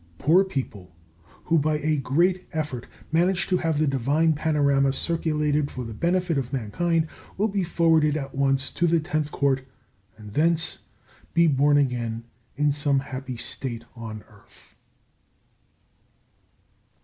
Poor people who, by a great effort, manage to have the Divine Panorama circulated for the benefit of mankind, will be forwarded at once to the Tenth Court, and thence be born again in some happy state on earth.